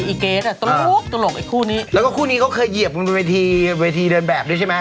อเกสอ่ะตลกตลกไอ้คู่นี้แล้วก็คู่นี้เขาเคยเหยียบกันบนเวทีเวทีเดินแบบด้วยใช่ไหม